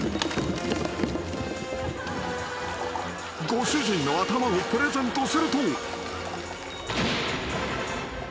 ［ご主人の頭をプレゼントすると］